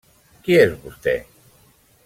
-Qui és vosté?